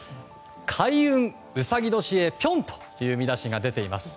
開運、うさぎ年へぴょんという見出しが出ています。